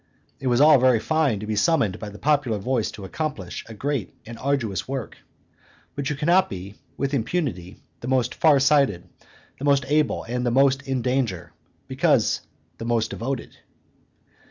It is all very fine to be summoned by the popular voice to accomplish a great and arduous work; but you cannot be, with impunity, the most far sighted, the most able, and the most in danger, because the most devoted.